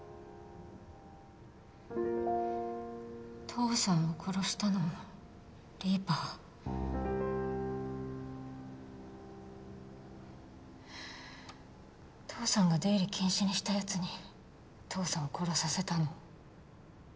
父さんを殺したのもリーパー父さんが出入り禁止にしたやつに父さんを殺させたの？